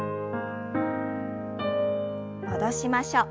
戻しましょう。